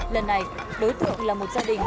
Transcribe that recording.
lần này đối tượng là một gia đình